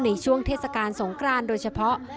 ในช่วงเทศกาลสงครานโดยเฉพาะ